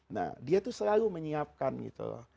nah dia itu selalu menyiapkan gitu